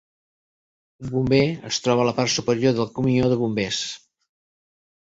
Un bomber es troba a la part superior del camió de bombers.